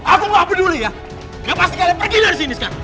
aku gak peduli ya gak pasti kalian pergi dari sini sekarang